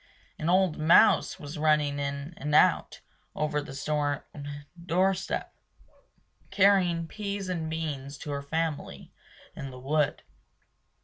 An old mouse was running in and out over the stone doorstep, carrying peas and beans to her family in the wood.